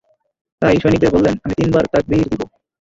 তাই সৈনিকদের বললেন, আমি তিনবার তাকবীর দিব।